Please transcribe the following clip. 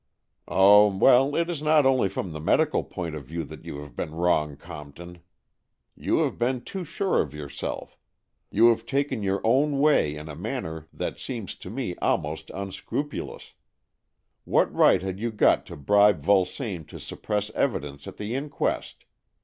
" Oh, well, it is not only from the medical point of view that you have been wrong, Compton. You have been too sure of your AN EXCHANGE OF SOULS 233 self. You have taken your own way in a manner that seems to me almost unscrupu lous. What right had you got to bribe Vulsame to suppress evidence at the inquest?